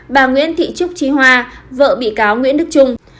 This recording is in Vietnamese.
bà nguyễn thị trúc trí hoa vợ bị cáo nguyễn đức trung